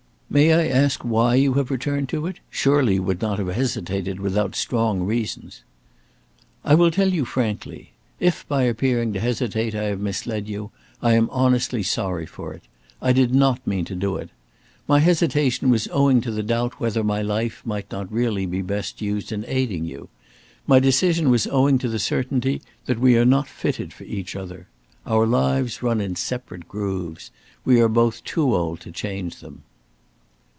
"May I ask why you have returned to it? surely you would not have hesitated without strong reasons." "I will tell you frankly. If, by appearing to hesitate, I have misled you, I am honestly sorry for it. I did not mean to do it. My hesitation was owing to the doubt whether my life might not really be best used in aiding you. My decision was owing to the certainty that we are not fitted for each other. Our lives run in separate grooves. We are both too old to change them."